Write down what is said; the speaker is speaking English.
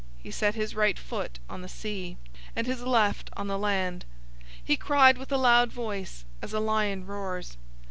He set his right foot on the sea, and his left on the land. 010:003 He cried with a loud voice, as a lion roars.